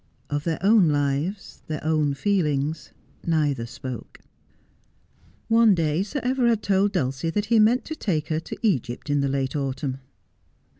Of their own lives, their own feelings, neither spoke. One day Sir Everard told Dulcie that he meant to take hei to Egypt in the late autumn.